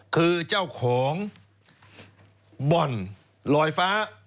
คือเจ้าของบ่อนลอยฟ้า